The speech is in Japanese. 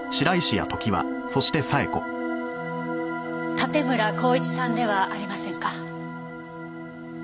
盾村孝一さんではありませんか？